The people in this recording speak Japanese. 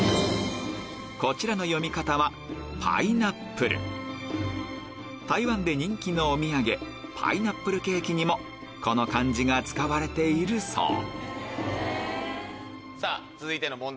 こちらの読み方はパイナップル台湾で人気のお土産パイナップルケーキにもこの漢字が使われているそう続いての問題